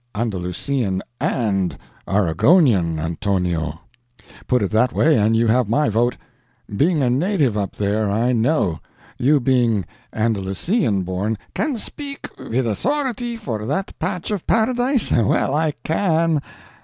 "Andalusian and Oregonian, Antonio! Put it that way, and you have my vote. Being a native up there, I know. You being Andalusian born—" "Can speak with authority for that patch of paradise? Well, I can.